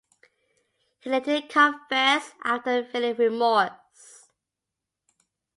He later confessed after feeling remorse.